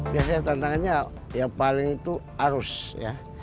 biasanya tantangannya ya paling itu arus ya